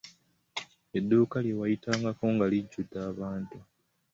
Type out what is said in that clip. Edduuka lye wayitangako nga lijjudde abantu.